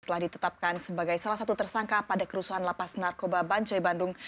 telah ditetapkan sebagai salah satu tersangka pada kerusuhan lapas narkoba bancoi bandung